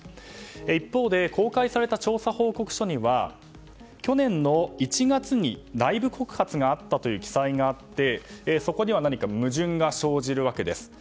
一方で公開された調査報告書には去年の１月に内部告発があったという記載があってそこには何か矛盾が生じるわけです。